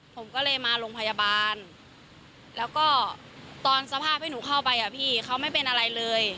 ผมก็เลยมาโรงพยาบาลแล้วก็ตอนสภาพที่หนูเข้าไปอ่ะพี่เขาไม่เป็นอะไรเลย